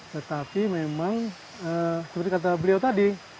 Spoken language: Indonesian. tetapi memang seperti kata beliau tadi